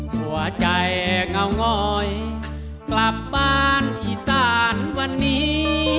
หัวใจเงางอยกลับบ้านอีสานวันนี้